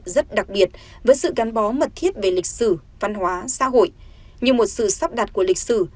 rất đặc biệt với sự gắn bó mật thiết về lịch sử văn hóa xã hội như một sự sắp đặt của lịch sử